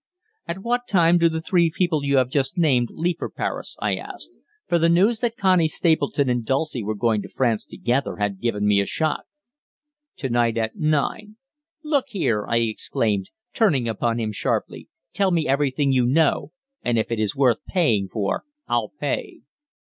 "At what time do the three people you have just named leave for Paris?" I asked, for the news that Connie Stapleton and Dulcie were going to France together had given me a shock. "To night, at nine." "Look here," I exclaimed, turning upon him sharply, "tell me everything you know, and if it is worth paying for I'll pay."